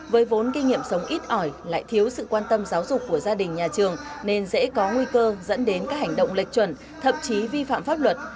với vốn kinh nghiệm sống ít ỏi lại thiếu sự quan tâm giáo dục của gia đình nhà trường nên dễ có nguy cơ dẫn đến các hành động lệch chuẩn thậm chí vi phạm pháp luật